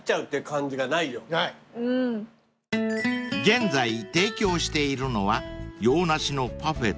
［現在提供しているのは］